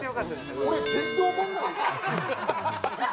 俺、全然おもんない。